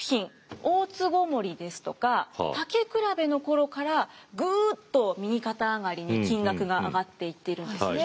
「大つごもり」ですとか「たけくらべ」の頃からぐっと右肩上がりに金額が上がっていってるんですね。